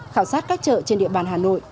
khảo sát các chợ trên địa bàn hà nội